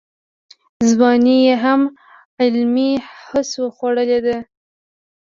ځواني یې هم علمي هڅو خوړلې ده.